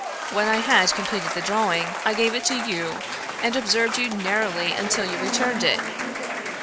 When I had completed the drawing I gave it to you, and observed you narrowly until you returned it.